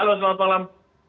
halo selamat malam